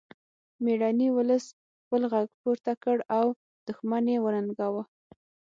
میړني ولس خپل غږ پورته کړ او دښمن یې وننګاوه